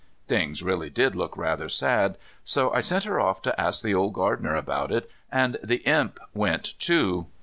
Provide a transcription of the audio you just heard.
Things really did look rather sad, so I sent her off to ask the old gardener about it, and the Imp went too.